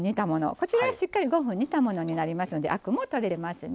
こちらしっかり５分煮たものになりますのでアクも取れてますね。